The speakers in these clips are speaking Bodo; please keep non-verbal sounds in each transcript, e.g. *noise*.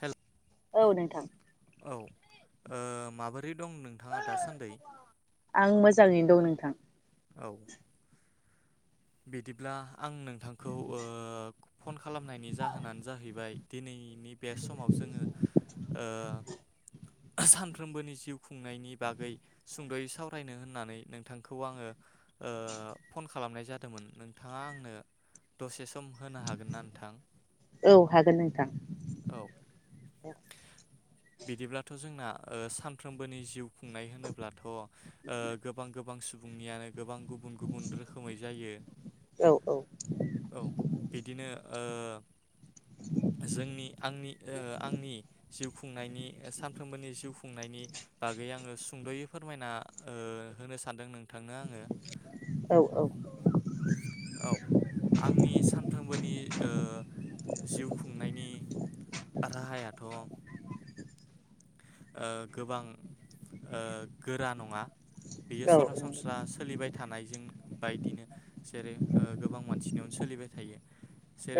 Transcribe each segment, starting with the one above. हेल' औ नोंथां। औ ओ माबो रै दं नोंथाङा दासादै। आं मोजाङैनो *inaudible* औ। बिदिब्ला आं नोंथांखौ ओ। फन खालामनायनि जाहोनानो जाहैबाय दिनैनि बे समाव जोङो ओ सानफ्रोमबोनि जिउ खुंनायनि बागै सुंद'यै सावरायनो होननानै नोंथांखौ आंङो ओ फन खालामनाय जाद दोंमोन नोंथाङा आंनो दसे सम होनो हागोन ना नोंथां। औ हागोन नोंथां। औ औ बिदिब्लाथ' जोंना ओ सानफ्रोमबोनि जिउ खुंनाय होनोब्लाथ' ओ गोबां गोबां सुबुंनियानो गोबां गुबुन गुबुन रोखोमै जायो औ बिदिनो ओ जोंनि नि ओ आंनि जिउ खुंनायनि ओ सानफ्रोमबोनि जिउ खुंनायनि बागै आङो सुंद'यै फोरमायना ओ होनो सानदों नोंथांनो आङो। औ औ औ आंनि सानफ्रोमबोनि ओ जिउ खुंनायनि राहायाथ' ओ गोबां ओ गोरा नङा बियो नंगौ सरासनस्रा सोलिबाय थानायजों बायदिनो जेरै ओ गोबां मानसिनियावनो सोलिबाय थायो।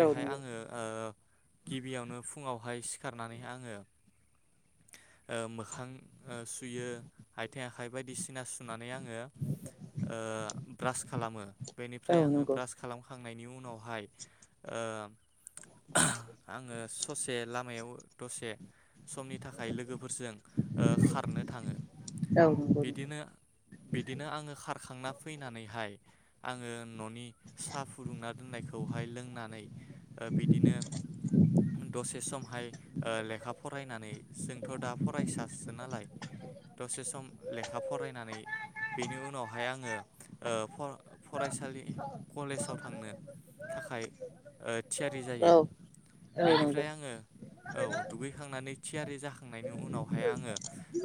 औ नंगौ आङो ओ गिबियावनो फुङावहाय सिखारनानै आङो। ओ मोखां ओ सुयो आथिं आखाइ बायदिसिना सुनानै आङो ओ ब्रास खालामो। बेनिफ्राय औ आङो नंगौ ब्रास खालामखांनायनि उनाव फाय ओ आङो ससे लामायाव दसे समनि थाखाय लोगोफोरजों ओ खारनो थाङो। औ नोंगौ नोंथां। बिदिनो बिदिनो आङो खारखांना फैनानैहाय आङो न'नि सा फुदुंना दोननायखौहाय लोंनानै ओ बिदिनो दसे समहाय ओ लेखा फरायनानै जोंथ' दा फरायसासो नालाय दसे सम लेखा फरायनानै बेनि उनावहाय आङो फराय फरायसालि कलेजाव थांनो थाखाय ओ थियारि औ जायो। औ नंगौ बेनिफ्राय आङो औ दुगैखांनानै थिया रि जाखांनायनि उनावहाय आङो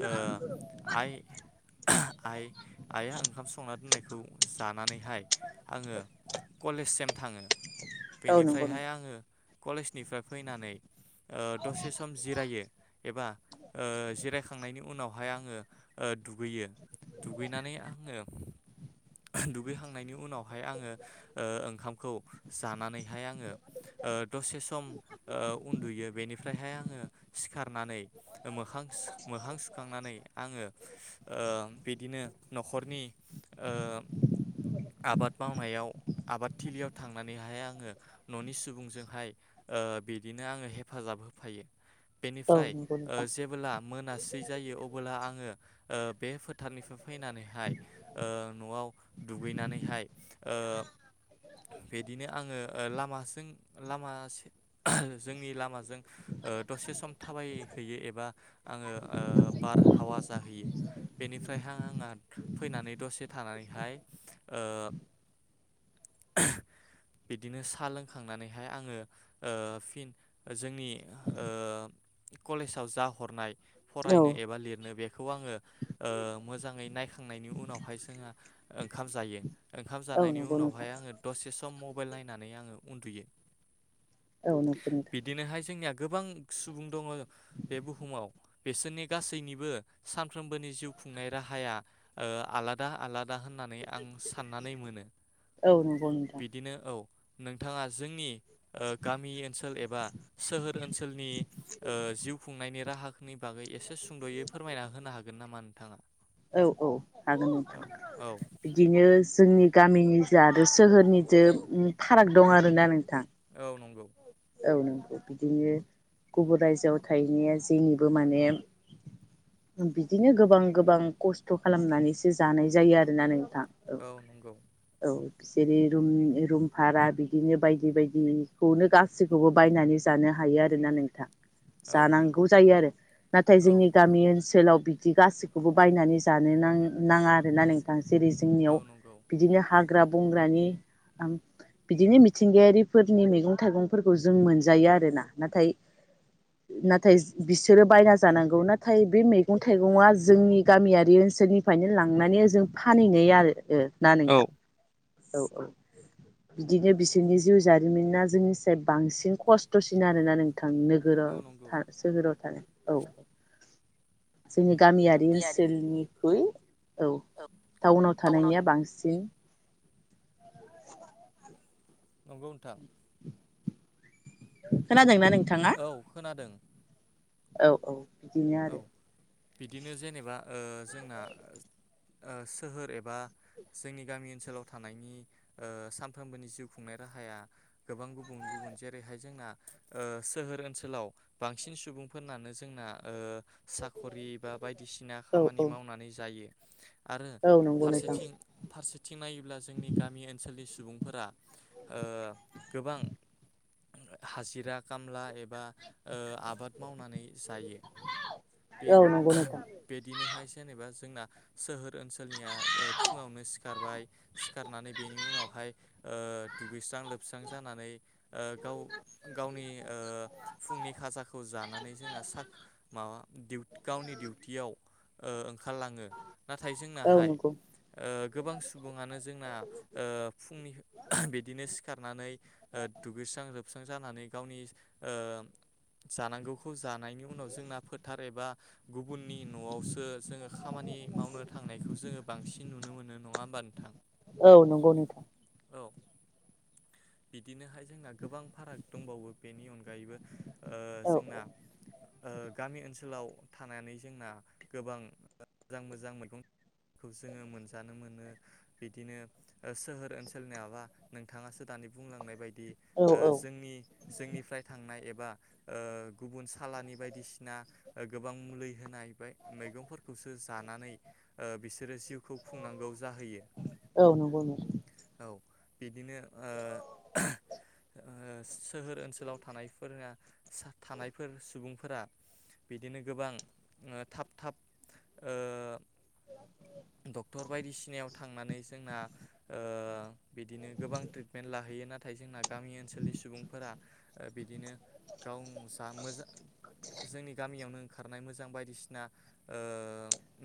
ओ आइ आइ आइआ ओंखाम संना दोननायखौ जानानैहाय आङो कलेजसिम थाङो। औ नंगौ नोंथां बेनिफ्रायहाय आङो कलेजनिफ्राय फैनानै ओ दसे सम जिरायो। एबा ओ जिरायखांनायनि उनावहाय आङो ओ दुगैयो दुगैनानै आङो दुगैखांनायनि उनावहाय आङो ओ ओंखामखौ जानानैहाय आङो ओ दसे सम ओ उन्दुयो बेनिफ्रायहाय आङो सिखारनानै मोखां सु मोखां सुखांनानै आङो ओ बिदिनो न'खरनि ओ आबाद मावनायाव आबादथिलियाव थांनानैहाय आङो न'नि सुबुंजोंहाय बिदिनो आङो हेफाजाब होफायो। औ बेनिफ्राय नंगौ ओ‌ नोंथां जेबोला मोनासै जायो अबोला आङो ओ बे फोथारनिफ्राय फैनानैहाय ओ न'आव दुगैनानैहाय ओ बिदिनो आङो ओ लामाजों लामा जोंनि लामाजों ओ दसे स सम थाबायहैयो एबा आङो ओ बारहावा जाहैयो बेनिफ्रायहाय आंहा फैनानै दसे थानानैहाय ओ बिदिनो साहा लोंखांनानैहाय आङो ओ फिन जोंनि ओ कलेजाव जा हरनाय औ फरायनो एबा लिरनो बे बेखौ आङो ओ मोजाङै नायखांनायनि उनावहाय जोंहा ओंखाम जायो ओंखाम औ जानायनि नंगौ उनावहाय नोंथां आङो दसे सम मब मबाइल नायनानै आङो उन्दुयो। औ नंगौ नोंथां बिदिनोहाय जोंनिया गोबां सुबुं दङ बे बुहुमाव बिसोरनि गासैनिबो सानफ्रोमबोनि जिउ खुंनाय राहाया ओ आलादा आलादा होननानै आं साननानै मोनो औ नंगौ नोंथां बिदिनो औ नोंथाङा जोंनि ओ गामि ओनसोल एबा सोहोर ओनसोलनि ओ जिउ खुंनायनि राहानि बागै एसे सुंदयै फोरमायना होनो हागोन नामा नोंथाङा? औ औ हागोन औ नोंथां औ बिदिनो जोंनि गामिनि जा आरो सोहोरनिजों फाराग दं आरोना नोंथां औ नंगौ औ नंगौ बिदिनो गुबुन रायजोआव थाहैनाया जेनिबो माने बिदिनो गोबां गोबां खस्थ खालामनानैसो जानाय जायो आरोना नोंथां औ नंगौ औ बिसोरो रुम रुम भारा बिदिनो बायदि बायदिखौनो गा सैखौबो बायनानै जानो हायो आरोना नोंथां औ नंगौ जानांगौ जायो आरो नाथाय औ जोंनि गामि ओनसोलाव बिदि गासैखौबो बायनानै जानो नां नाङा आरोना नोंथां जेरै जोंनियाव नंगौ बिदिनो हा ग्रा बंग्रानि बिदिनो मिथिंगायारिफोरनि मैगं थाइगं फोरखौ जों मोनजायो आरोना नाथाय नाथाय बिसोरो बायना जानांगौ नाथाय बे मैगं थाइगंआ जोंनि गामियारि ओनसोलनिफ्रायनो लांनानै ओजों फानहैनाय आरो ओ ना औ नोंथां औ औ बिदिनो बिसोरनि जिउ जारिमिना जोंनिसाय बांसिन खस्थ सिन आरोना नों थां नोगोराव नंगौ था सोहोराव थानाय औ जोंनि गामियारि ओनसोलनि है औ टाउनाव थानायनिया बांसिन *inaudible* नंगौ नोंथां खोनादों ना नों औ खोनादों औ औ बिदिनो औ आरो बिदिनो जेनेबा ओ जोंना ओ सोहोर एबा जोंनि गामि ओनसोलाव थानायनि ओ सानफ्रोमबोनि जिउ खुंनाय राहाया गोबां गुबुन गुबुन जेरैहाय जोंना ओ सोहोर ओनसोलाव बांसिन सुबुंफोरनानो जोंना ओ साक'रि बा बायदिसिना औ खामानि औ मावनानै जायो। आरो औ नंगौ नोंथां फारसेथिं फारसेथिं नायोब्ला जोंनि गामि ओनसोलनि सुबुंफोरा ओ गोबां हाजिरा खामला एबा आबाद ओ मावनानै जायो। औ नंगौ नोंथां बिदिनोहाय जेनेबा जोंना सोहोर ओनसोलनिया ओ फुङावनो सिखारबाय सिखारनानै बेनि उनावहाय ओ दुगैस स्रां लोबस्रां जानानै ओ गाव गावनि ओ फुंनि खाजाखौ जानानै जोंना साख माबा डिउ गावनि डिउटियाव ओ ओंखारलांङो नाथाय औ जोंनाहाय नंगौ गोबां सुबुंङानो जोंना ओ फुंनि बिदिनो सिखारनानै ओ दुगैस्रां लोबस्रां जानानै गावनि ओ‌ जानांगौ खौ जानायनि उनाव जोंना फोथार एबा गुबुननि न'आवसो जोङो खामानि मावनो थांनायखौ जोङो बांसिन नुनो मोनो नङा होमबा नों थां। औ नंगौ नोंथां। औ बिदिनोहाय जोंना गोबां फाराग दंबावो बेनि अनगायैबो ओ औ जोंना ओ ओनसोलाव थानानै जोंना गोबां मोजां मोजां मैगं जोङो मोनजानो मोनो बिदिनो सोहोर ओनसोलनियाबा नोंथाङासो दानि बुंलांनाय बायद दि ओ औ औ जोंनि जोंनिफ्राय थांनाय एबा ओ गुबुन सालानि बायदिसि ना गोबां मुलि होनाय फ्राय मैगंफोरखौसो जानानै ओ बिसोरो जिउखौ खुंनांगौ जाहैयो औ नंगौ नोंथां औ। बिदिनो ओ ओ स सोहोर ओनसोलाव थानायफोरा साह थानायफोर सुबुंफोरा बिदिनो गोबां ओ थाब थाब ओ डक्टर बायदिसिनायाव थांनानै जोंना ओ बिदिनो गोबां ट्रिटमेन्ट लाहैयो नाथाय जोंना गामि ओनसोलनि सुबुंफोरा ओ बिदिनो गाव जा मोजां जोंनि गामियावनो ओंखारनाय मोजां बायदिसिना ओ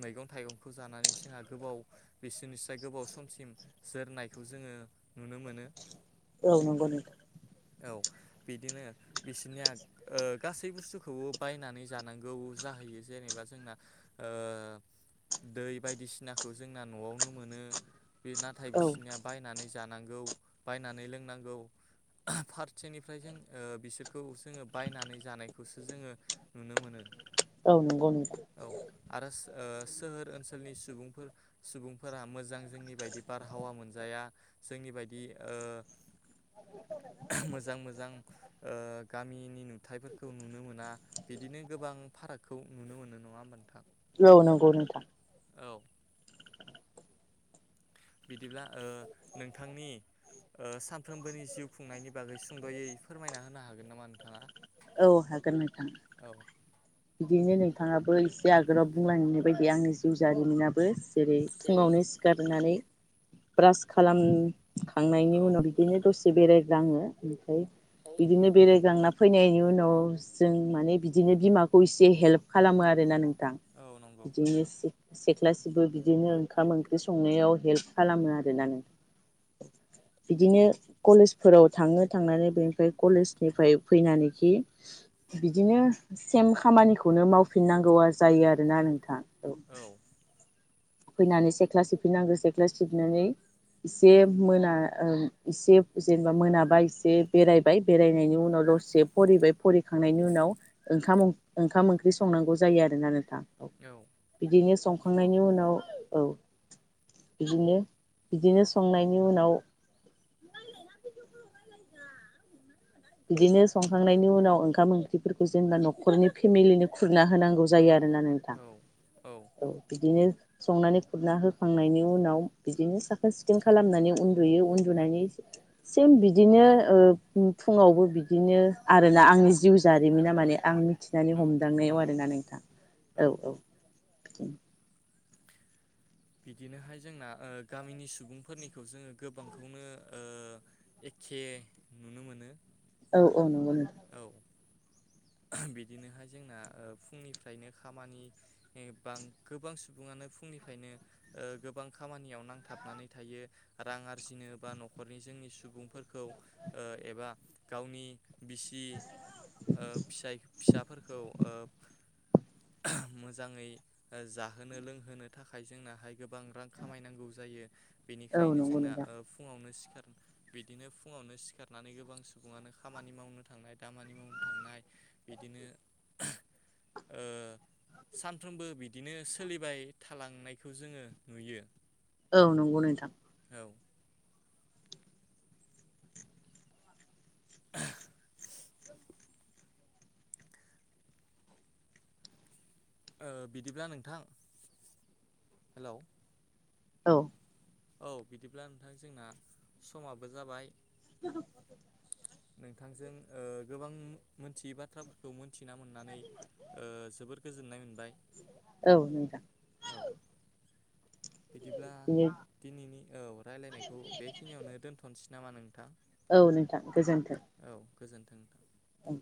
मैगं थाइगंखौ जानानै जोंहा गोबाव बिसोरनिसाय गोबाव समसिम जोरनायखौ जोङो नुनो मोनो। औ नंगौ नोंथां। औ बिदिनो बिसोनिया ओ गासै बुस्थु खौबो बायनानै जानांगौ जाहैयो जेनेबा जोंना ओ दै बायदिसिनाखौ जोंना न'आवनो मोनो। बे नाथाय औ बिसिनिया बायनानै जा जानांगौ बायनानै लोंनांगौ *unintelligible* फारसेनिफ्राय जों ओ बिसोरखौ जोङो बायनानै जानायखौ जोङो नुनो मोनो। औ नंगौ नोंथां औ आरो ओ सोहोर ओनसोलनि सुबुंफोर सुबुंफोरा मोजां जोंनि बायदि बारहावा मोनजाया जोंनि बायदि ओ मोजां मोजां ओ गामिनि नुथाइफोरखौ नुनो मोन आ बिदिनो गोबां फारागखौ नुनो मोनो नङा होमबा नोंथां? औ नंगौ नोंथां। औ बिदिब्ला ओ नोंथांनि ओ सानफ्रोमबोनि जिउ खुंनायनि बागै सुंद'यै फोरमायना होनो हागोन नामा नोंथाङा? औ हागोन नोंथां। औ बिदिनो नोंथाङाबो एसे आगोलाव बुंलायांनाय बायदि आंनि जिउ जारिमिनाबो। जेरै फुङावनो सिखारनानै ब्रास खालाम खांनायनि औ उनाव बिदिनो दसे बेरायगग्लांङो ओमफ्राय बिदिनो बेरायग्लांना फैनायनि उनाव जों माने बिदिनो बिमा खौ इसे हेल्प खालामो आरोना नों थां औ नंगौ बिदि *unintelligible* सिख्लासेबो बिदिनो ओंखाम ओंख्रि संनायाव हेल्प खालामो आरोना नों बिदिनो कलेजफोराव थाङो थांनानै बेनिफ्राय कलेजनिफ्राय फैनानैखि बिदिनो। सेम खामानिखौनो मावफिननांगौआ जायो आरोना नोंथां। औ फैनानै सेख्ला सिबफैनांगौ सेख्ला सिबनानै इसे मोना ओ इसे जेनेबा मोनाबा इसे बेरायबाय बेरायनायनि उनाव दसे फरिबाय फरिखांनायनि उनाव ओंखाम ओं ओंखाम ओंख्रि संनांगौ जायो आरोना नोंथां। औ बिदिनो नंगौ संखांनायनि उनाव। औ बिदिनो बिदिनो संनायनि उनाव *unintelligible* बिदिनो संखांनायनि उनाव ओंखाम ओंख्रिफोरखौ जेनेबा न'खरनि फेमिलिनो खुरना होनांगौ जायो। आरोना नोंथां औ औ बिदिनो संनानै खुरना होखांनायनि उनाव बिदिनो साखोन सिखोन खालामनानै उन्दुयो उन्दुनानै सेम बिदिनो ओ उम फुङावबो बिदिनो आरो ला आंनि जिउ जारिमिना माने आं मिथिनानै औ हमदांनायाव नंगौ आरोना नोंथां औ औ बिदिनोहाय जोंना ओ गामिनि सुबुंफोरनिखौ जोङो गोबांखौनो ओ एखे नुनो मोनो। औ औ नंगौ नोंथां औ बिदिनोहाय जोंना ओ फुंनिफ्रायनो खामानि‌ ए बां गोबां सुबुङानो फुंनिफ्रायनो ओ गोबां खामानियाव नांथाबनानै थायो रां आरजिनो बा नखरनि जोंनि सुबुंफोरखौ ओ एबा गावनि बिसि ओ फिसाफोरखौ ओ *unintelligible* मोजाङै जाहोनो लोंहोनो थाखाय जोंनाहाय गोबां रां खामायनांगौ जायो। औ बेनिखायनो नंगौ जोंना नोंथां ओ फुङावनो सि खार बिदिनो फुङावनो सिखारनानै गोबां सुबुङानो खामानि मावनो थांनाय दामानि मावनो थांनाय बिदिनो ओ सानफ्रोमबो बिदिनो सोलिबाय थालांनायखौ जोङो नुयो। औ नंगौ नोंथां। औ ओ बिदिब्ला नोंथां हेलौ औ औ बिदिब्ला नोंथां जोंना समाबो जाबाय। *inaudible* नोंथांजों ओ गोबां मोनथियै बाथ्राफोरखौ मोन थिना मोननानै ओ जोबोर गोजोननाय मोनबाय औ नोंथां औ। बिदिब्ला दिनैनि औ रायलायनायखौ बेखिनियावनो दोन्थ'नो सै नामा नोंथां औ नोंथां गोजोन्थों। औ गोजोन्थों नोंथां। औ।